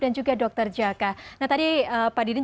dan juga dr jaka nah tadi pak didin